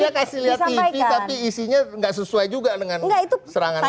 dia kasih lihat tv tapi isinya nggak sesuai juga dengan serangan